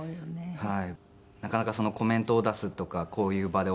はい。